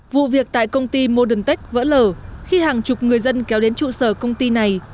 vụ việc tại công ty modentech vỡ lở khi hàng chục người dân kéo đến trụ sở công ty này